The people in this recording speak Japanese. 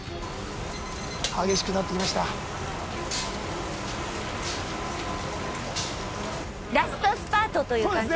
激しくなってきましたラストスパートという感じですね